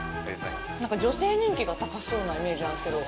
なんか女性人気が高そうなイメージなんですけど。